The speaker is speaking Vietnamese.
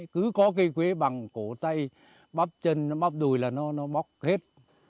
cứ có cây quế bằng cổ tay bắp chân nó bắp đùi là nó bóc hết